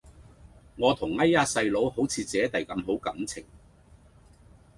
我同哎呀細佬好似姊弟咁好感情